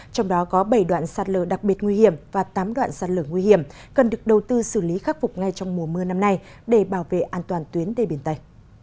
trong đó có bảy đoạn sạt lở đặc biệt nguy hiểm và tám đoạn sạt lở nguy hiểm cần được đầu tư xử lý khắc phục ngay trong mùa mưa năm nay để bảo vệ an toàn tuyến đê biển tây